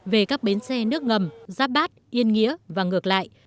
về các bến xe nước ngầm giáp bát yên nghĩa và ngược lại